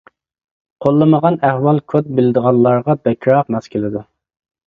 قوللىمىغان ئەھۋال كود بىلىدىغانلارغا بەكرەك ماس كېلىدۇ.